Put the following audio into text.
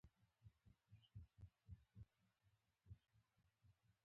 که زموږ په خبره باور نه کړې.